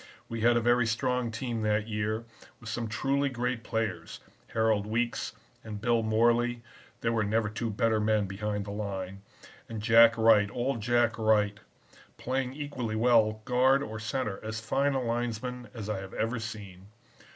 We had a very strong team that year, with some truly great players, Harold Weekes and Bill Morley (there never were two better men behind the line), and Jack Wright, old Jack Wright, playing equally well guard or center, as fine a linesman as I have ever seen.